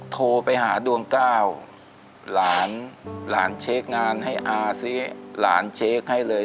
โทรไปหาดวงก้าวหลานหลานเช็คงานให้อาซิหลานเช็คให้เลย